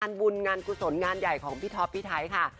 งานบุญงานกุศลงานใหญ่ของพี่ท็อปพี่ไทยค่ะ